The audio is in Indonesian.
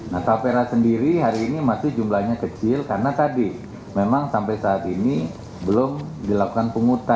nah tapera sendiri hari ini masih jumlahnya kecil karena tadi memang sampai saat ini belum dilakukan pungutan